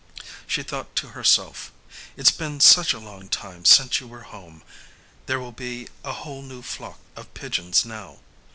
She thought to herself, "It's been such a long time since you were home. There will be a whole new flock of pigeons now."